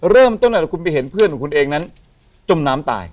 เริ่มต้นตั้งแต่คุณไปเห็นเพื่อนของคุณเองนั้นจมน้ำตาย